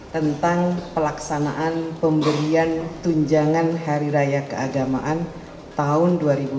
tentang pelaksanaan pemberian tunjangan hari raya keagamaan tahun dua ribu dua puluh